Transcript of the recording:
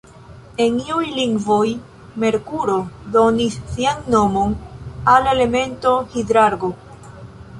En iuj lingvoj, Merkuro donis sian nomon al la elemento hidrargo.